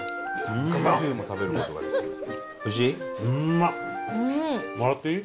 うんまっ！